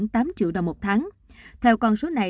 tám triệu đồng một tháng theo con số này